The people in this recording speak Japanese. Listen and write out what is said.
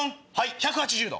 １８０度。